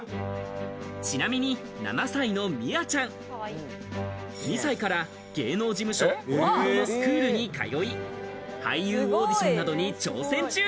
ちなみに７歳のみあちゃん、２歳から芸能事務所ホリプロのスクールに通い、俳優オーディションなどに挑戦中。